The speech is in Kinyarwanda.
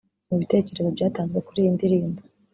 Mu bitekerezo byatanzwe kuri iyi ndirimbo